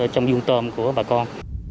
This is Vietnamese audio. trong dung tâm của bà con